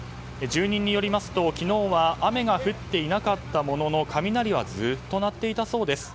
住人によりますと、昨日は雨が降っていなかったものの雷はずっと鳴っていたそうです。